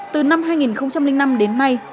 từ năm hai nghìn năm đến nay